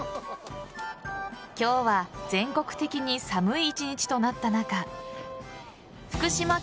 今日は全国的に寒い１日となった中福島県